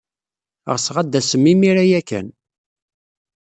Ɣseɣ ad d-tasem imir-a ya kan.